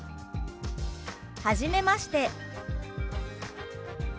「はじめまして」。